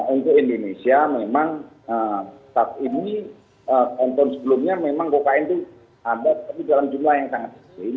untuk indonesia memang saat ini kontor sebelumnya memang kokain itu ada tapi dalam jumlah yang sangat sedikit